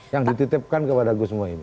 yang dititipkan kepada gue semua ini